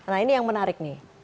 nah ini yang menarik nih